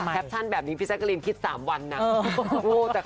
แปปชั่นแบบนี้พี่แจ๊กรีนคิด๓วันนะ